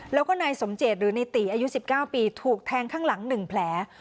แล้วก็ในสมเจษฐ์หรือในตีอายุสิบเก้าปีถูกแทงข้างหลังหนึ่งแผล